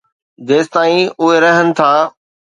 جيستائين اهي رهن ٿا.